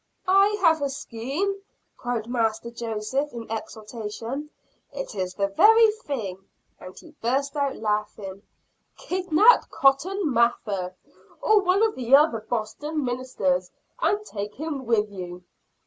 "I have a scheme!" cried Master Joseph in exultation. "It is the very thing," and he burst out laughing. "Kidnap Cotton Mather, or one of the other Boston ministers, and take him with you."